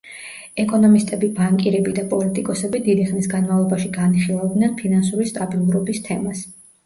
ეკონომისტები, ბანკირები და პოლიტიკოსები დიდი ხნის განმავლობაში განიხილავდნენ ფინანსური სტაბილურობის თემას.